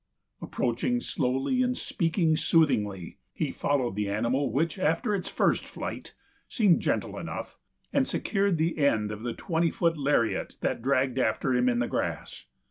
Approaching slowly and speaking soothingly, he followed the animal, which, after its first flight, seemed gentle enough, and secured the end of the twenty foot lariat that dragged after him in the grass.